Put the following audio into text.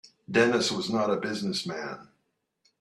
Dennis was not a business man.